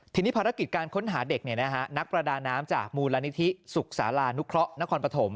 ทีนี้ภารกิจการค้นหาเด็กนักประดาน้ำจากมูลนิธิสุขศาลานุเคราะห์นครปฐม